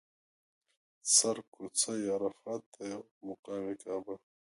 سر کوڅه یې عرفات دی او مقام یې کعبه.